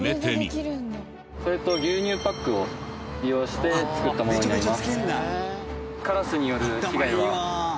それと牛乳パックを利用して作ったものになります。